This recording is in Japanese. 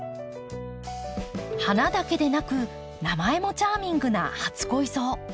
花だけでなく名前もチャーミングな初恋草。